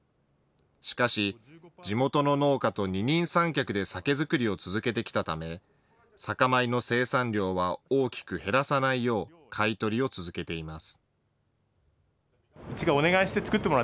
しかし、地元の農家と二人三脚で酒造りを続けてきたため酒米の生産量は大きく減らさないよう買い取りを続けています。